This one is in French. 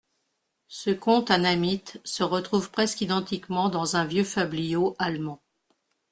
Ce conte annamite se retrouve presque identiquement dans un vieux fabliau allemand.